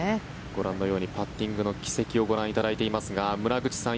ご覧のようにパッティングの軌跡をご覧いただいていますが村口さん